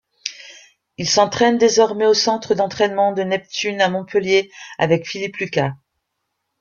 Il s'entraîne désormais au centre d'entraînement de Neptune à Montpellier avec Philippe Lucas.